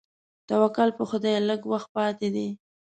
توکل په خدای لږ وخت پاتې دی.